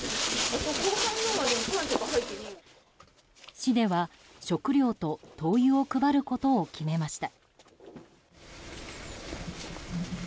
市では、食料と灯油を配ることを決めました。